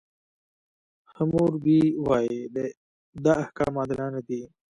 حموربي وایي، دا احکام عادلانه دي.